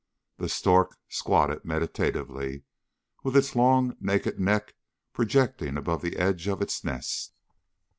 The stork squatted meditatively, with its long, naked neck projecting above the edge of its nest.